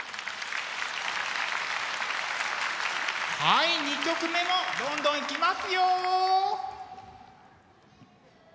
はい２曲目もどんどんいきますよ！